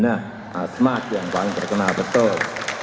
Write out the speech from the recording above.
nah smart yang paling terkenal betul